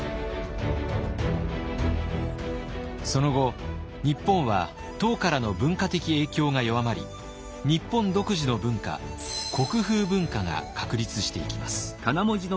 その後日本は唐からの文化的影響が弱まり日本独自の文化国風文化が確立していきます。